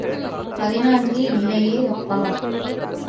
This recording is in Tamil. பதினான்கு இல்லையே அப்பா!